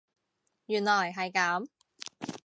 原來係咁